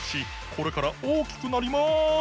これから大きくなります。